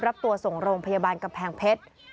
รับตัวส่งโรงพยาบาลกำแพงเพชร